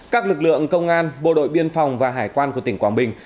các lực lượng công an bộ đội biên phòng và hải quan của tỉnh quảng bình